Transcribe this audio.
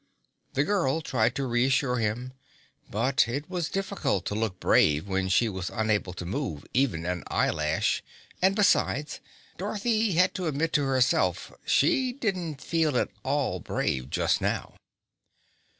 The girl tried to reassure him, but it was difficult to look brave when she was unable to move even an eyelash and besides, Dorothy had to admit to herself, she didn't feel at all brave just now.